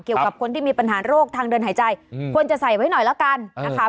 เกี่ยวกับคนที่มีปัญหาโรคทางเดินหายใจควรจะใส่ไว้หน่อยแล้วกันนะคะ